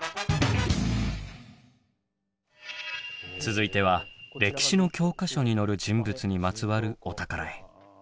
続いては歴史の教科書に載る人物にまつわるお宝へ。